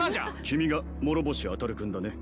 君が諸星あたる君だね？